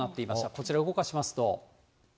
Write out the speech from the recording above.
こちら動かしますと。